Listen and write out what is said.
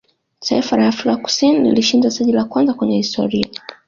taifa la afrika Kusini lilishinda taji la kwanza kwenye historia